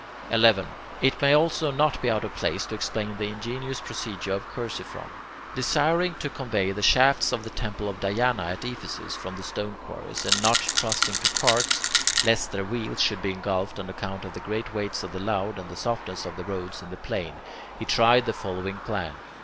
11. It may also not be out of place to explain the ingenious procedure of Chersiphron. Desiring to convey the shafts for the temple of Diana at Ephesus from the stone quarries, and not trusting to carts, lest their wheels should be engulfed on account of the great weights of the load and the softness of the roads in the plain, he tried the following plan.